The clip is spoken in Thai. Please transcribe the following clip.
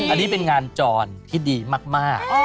อันนี้เป็นงานจรที่ดีมาก